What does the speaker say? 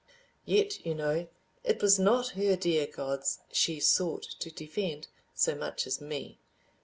Yet, you know, it was not her dear gods she sought to defend so much as me!